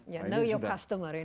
ya tahu pelanggan anda